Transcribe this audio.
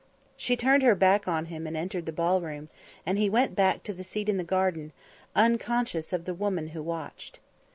She turned her back on him and entered the ballroom, and he went back to the seat in the garden, unconscious of the woman who watched.